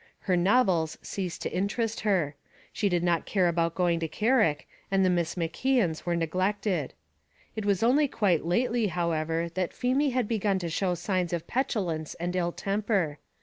Her novels ceased to interest her; she did not care about going to Carrick, and the Miss McKeons were neglected. It was only quite lately, however, that Feemy had begun to show signs of petulance and ill temper.